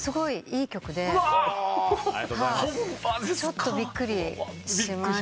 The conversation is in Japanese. ちょっとびっくりしましたけど。